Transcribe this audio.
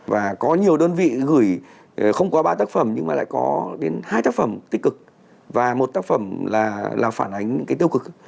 và có nhiều đơn vị gửi không qua ba tác phẩm nhưng mà lại có đến hai tác phẩm tích cực và một tác phẩm là phản ánh những cái tiêu cực